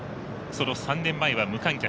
その３年前は無観客。